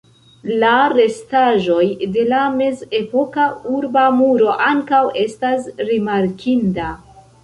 La restaĵoj de la mezepoka urba muro ankaŭ estas rimarkinda.